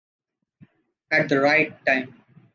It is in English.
At the right time!